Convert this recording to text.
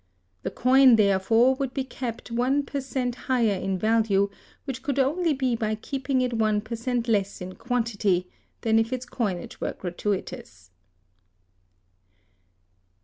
The coin, therefore, would be kept one per cent higher in value, which could only be by keeping it one per cent less in quantity, than if its coinage were gratuitous.